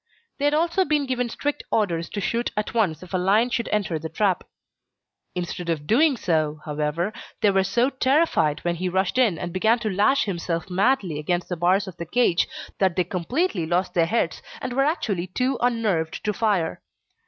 They had also been given strict orders to shoot at once if a lion should enter the trap. Instead of doing so, however, they were so terrified when he rushed in and began to lash himself madly against the bars of the cage, that they completely lost their heads and were actually too unnerved to fire.